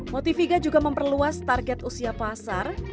motiviga juga memperluas target usia pasar